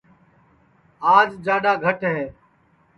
آج جاڈؔا گھٹ ہے